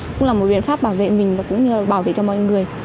cũng là một biện pháp bảo vệ mình và cũng như là bảo vệ cho mọi người